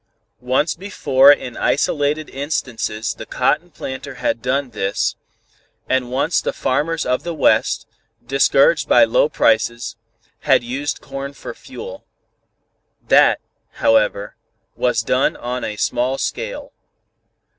Once before in isolated instances the cotton planter had done this, and once the farmers of the West, discouraged by low prices, had used corn for fuel. That, however, was done on a small scale.